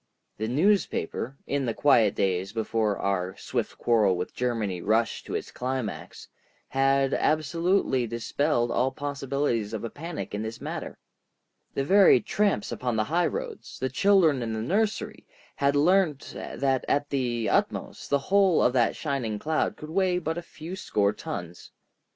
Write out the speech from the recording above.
The newspaper, in the quiet days before our swift quarrel with Germany rushed to its climax, had absolutely dispelled all possibilities of a panic in this matter. The very tramps upon the high roads, the children in the nursery, had learnt that at the utmost the whole of that shining cloud could weigh but a few score tons.